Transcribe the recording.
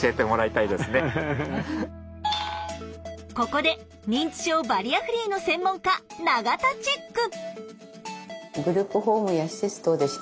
ここで認知症バリアフリーの専門家永田チェック！